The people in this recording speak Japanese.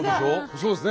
そうですね。